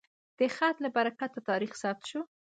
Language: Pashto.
د خط له برکته تاریخ ثبت شو.